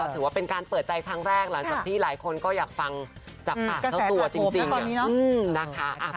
ถือว่าเป็นการเปิดใจครั้งแรกหลังจากที่หลายคนก็อยากฟังจากปากเจ้าตัวจริงนะคะ